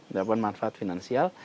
mendapatkan manfaat finansial